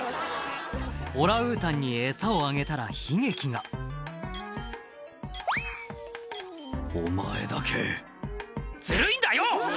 オランウータンにエサをあげたら悲劇が「お前だけずるいんだよ！」